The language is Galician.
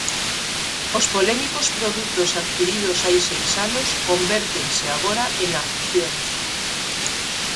Os polémicos produtos adquiridos hai seis anos convértense agora en accións.